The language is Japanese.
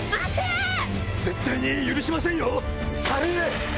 絶対に許しませんよ！